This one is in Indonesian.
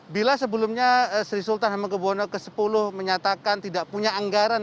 bila sebelumnya sri sultan hamad kebono ke sepuluh menyatakan tidak punya anggaran